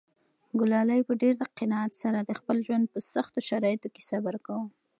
ګلالۍ په ډېر قناعت سره د خپل ژوند په سختو شرایطو کې صبر کاوه.